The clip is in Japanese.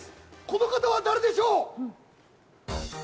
この方は誰でしょう？